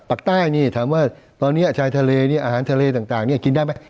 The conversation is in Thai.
ปัดใต้นี้ถามว่าตอนนี้อาหารทะเลต่างนี้กินได้ไหม